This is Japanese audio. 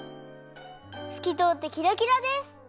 すきとおってキラキラです！